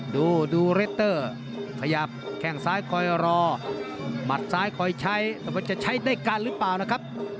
ดูดูเรตเตอร์ขยับแข้งซ้ายคอยรอหมัดซ้ายคอยใช้แต่ว่าจะใช้ได้กันหรือเปล่านะครับ